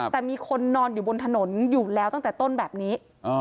แต่มีคนนอนอยู่บนถนนอยู่แล้วตั้งแต่ต้นแบบนี้